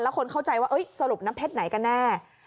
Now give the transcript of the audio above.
คนเข้าใจว่าสรุปน้ำเพชรไหนกันแน่